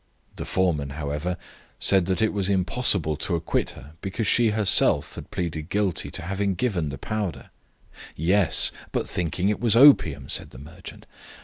The foreman, however, said that it was impossible to acquit her, because she herself had pleaded guilty to having given the powder. "Yes, but thinking it was opium," said the merchant.